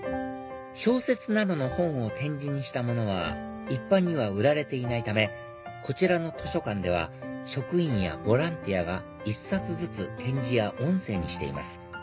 小説などの本を点字にしたものは一般には売られていないためこちらの図書館では職員やボランティアが１冊ずつ点字や音声にしています